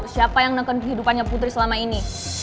siapa yang melakukan kehidupannya putri selama ini